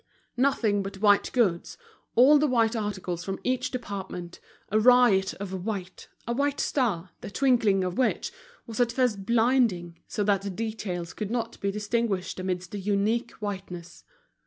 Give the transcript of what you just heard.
Nothing but white goods, all the white articles from each department, a riot of white, a white star, the twinkling of which was at first blinding, so that the details could not be distinguished amidst this unique whiteness.